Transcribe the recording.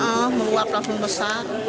iya meluap langsung besar